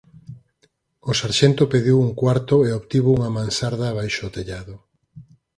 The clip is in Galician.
O sarxento pediu un cuarto e obtivo unha mansarda baixo o tellado.